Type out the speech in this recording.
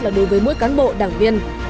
là đối với mỗi cán bộ đảng viên